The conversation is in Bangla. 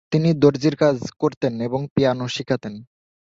তিনি দর্জির কাজ করতেন এবং পিয়ানো শিখাতেন।